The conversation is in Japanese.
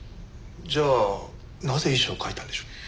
じゃあなぜ遺書を書いたんでしょう？